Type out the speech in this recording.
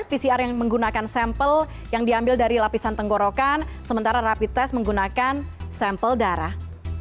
pcr yang menggunakan sampel yang diambil dari lapisan tenggorokan sementara rapi tes menggunakan sampel darah